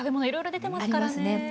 いろいろ出てますからね。